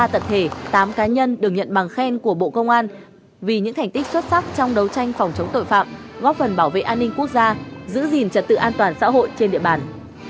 ba tập thể tám cá nhân được nhận bằng khen của bộ công an vì những thành tích xuất sắc trong đấu tranh phòng chống tội phạm góp phần bảo vệ an ninh quốc gia giữ gìn trật tự an toàn xã hội trên địa bàn